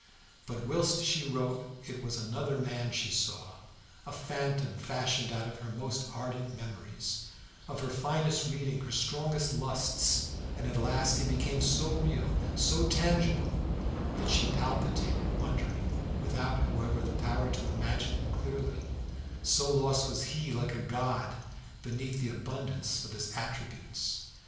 But whilst she wrote it was another man she saw, a phantom fashioned out of her most ardent memories, of her finest reading, her strongest lusts, and at last he became so real, so tangible, that she palpitated wondering, without, however, the power to imagine him clearly, so lost was he, like a god, beneath the abundance of his attributes.